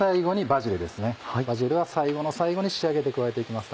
バジルは最後の最後に仕上げで加えて行きます